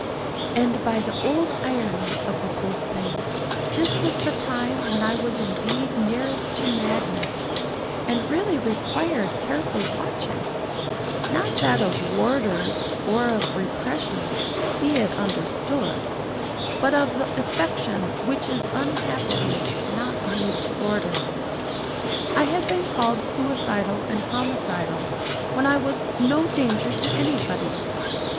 And by the odd irony of the whole thing, this was the time when I was indeed nearest to madness, and really required careful watching; not that of warders or of repression, be it understood, but of the affection which is unhappily not made to order. I had been called suicidal and homicidal when I was no danger to anybody.